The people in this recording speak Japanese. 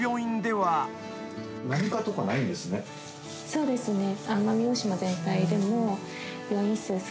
そうですね。